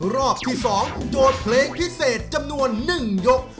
รอบที่๒โจทย์เพลงพิเศษจำนวน๑ยก